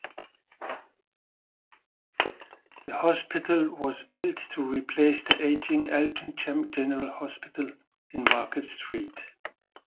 The hospital was built to replace the aging Altrincham General Hospital in Market Street.